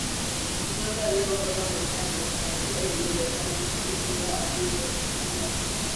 Nzota aliyeongoza Maeneo yanayofahamika hivi leo kama msitu Hill hadi eneo la sasa la